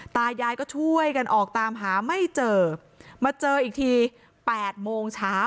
ตายายก็ช่วยกันออกตามหาไม่เจอมาเจออีกทีแปดโมงเช้า